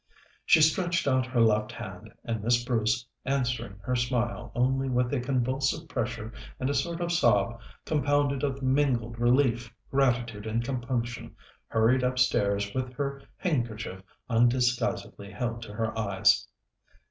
She stretched out her left hand, and Miss Bruce, answering her smile only with a convulsive pressure and a sort of sob compounded of mingled relief, gratitude, and compunction, hurried upstairs with her handkerchief undisguisedly held to her eyes.